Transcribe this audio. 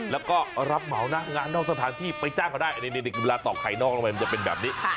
แล้วก็รับเหมานะงานนอกสถานที่ไปจ้างเขาได้อันนี้เวลาตอกไข่นอกลงไปมันจะเป็นแบบนี้